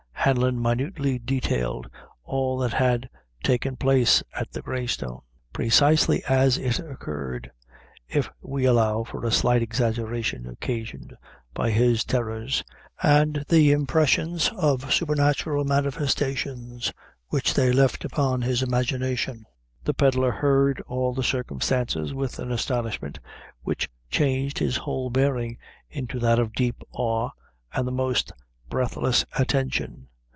Hanlon minutely detailed to him all that had taken place at the Grey Stone, precisely as it occurred, if we allow for a slight exaggeration occasioned by his terrors, and the impressions of supernatural manifestations which they left upon his imagination. The pedlar heard all the circumstances with an astonishment which changed his whole bearing into that of deep awe and the most breathless attention.